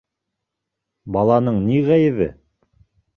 Баланың ни ғәйебе?